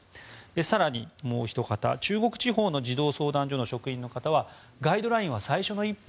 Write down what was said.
更に、もうひと方中国地方の児童相談所の職員の方はガイドラインは最初の一歩。